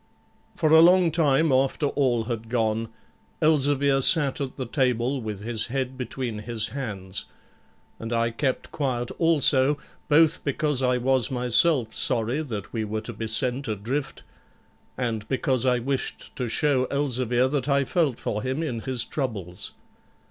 For a long time after all had gone, Elzevir sat at the table with his head between his hands, and I kept quiet also, both because I was myself sorry that we were to be sent adrift, and because I wished to show Elzevir that I felt for him in his troubles.